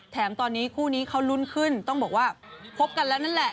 แถมตอนนี้คู่นี้เขาลุ้นขึ้นต้องบอกว่าคบกันแล้วนั่นแหละ